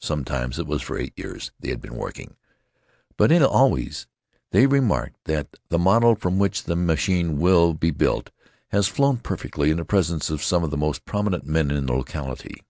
Sometimes it was for eight years they had been working. But always they remarked that "the model from which the machine will be built has flown perfectly in the presence of some of the most prominent men in the locality."